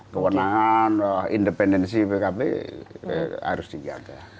keuangan independensi pkb harus digaga